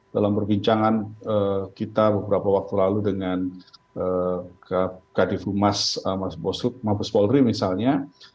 dalam perbincangan kita beberapa waktu lalu dengan kdfu mas bos polri misalnya